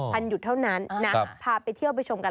วันหยุดเท่านั้นนะพาไปเที่ยวไปชมกัน